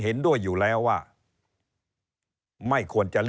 เริ่มตั้งแต่หาเสียงสมัครลง